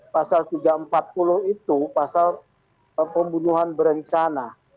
pasal tiga ratus empat puluh itu pasal pembunuhan berencana